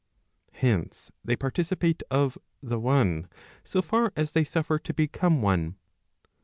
Hence, they participate of the one so far as they suffer to become one.